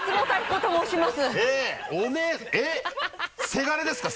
せがれですか？